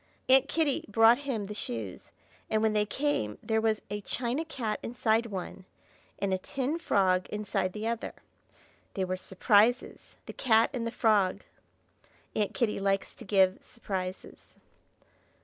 Aunt Kitty brought him the shoes, and when they came there was a china cat inside one, and a tin frog inside the other. They were surprises, the cat and the frog; Aunt Kitty likes to give surprises.